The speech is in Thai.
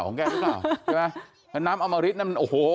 ของแกรู้หรือเปล่าน้ำอมริตนั้นโอ้โห